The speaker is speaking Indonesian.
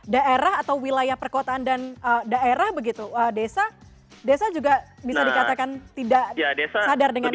daerah atau wilayah perkotaan dan daerah begitu desa desa juga bisa dikatakan tidak sadar dengan itu